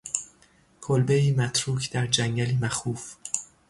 کلبهای متروک در جنگلی مخوف.